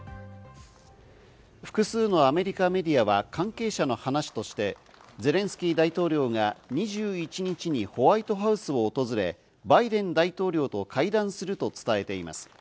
複数のアメリカメディアは関係者の話としてゼレンスキー大統領が２１日にホワイトハウスを訪れ、バイデン大統領と会談すると伝えています。